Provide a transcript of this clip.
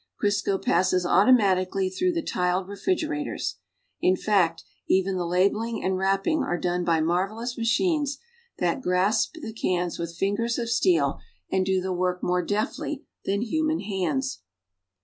Crisco passes automatically througli the tiled refrigerators. In fact, even the labeling and wrapping are done by marvelous machines that grasp the cans with fingers of steel and do the work more deftly than human hands.